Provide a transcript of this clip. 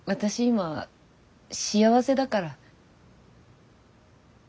今幸せだから。